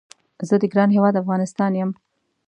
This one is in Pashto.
زه د ګران هیواد افغانستان یم